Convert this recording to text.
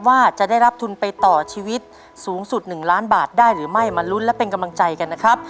ว่าจะได้รับทุนไปต่อชีวิตสูงสุด๑ล้านบาทได้หรือไม่มาลุ้นและเป็นกำลังใจกันนะครับ